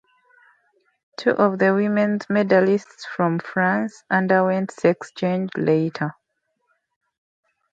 Two of the women's medalists from France underwent sex change later.